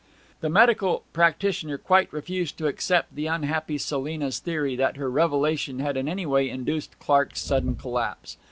The medical practitioner quite refused to accept the unhappy Selina's theory that her revelation had in any way induced Clark's sudden collapse.